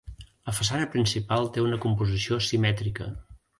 La façana principal té una composició simètrica.